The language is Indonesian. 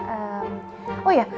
ehm oh ya